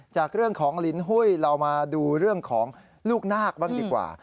จากเรื่องของลิ้นหุ้ยเรามาดูเรื่องของลูกนาคบ้างดีกว่า